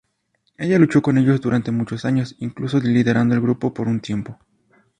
Ella luchó con ellos durante muchos años, incluso liderando el grupo por un tiempo.